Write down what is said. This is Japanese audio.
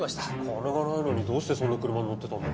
金がないのにどうしてそんな車に乗ってたんだ？